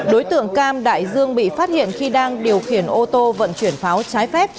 đối tượng cam đại dương bị phát hiện khi đang điều khiển ô tô vận chuyển pháo trái phép